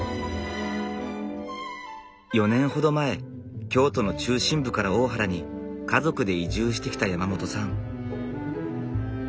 ４年ほど前京都の中心部から大原に家族で移住してきた山本さん。